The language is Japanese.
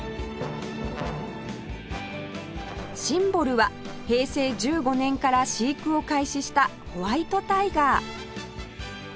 シンボルは平成１５年から飼育を開始したホワイトタイガー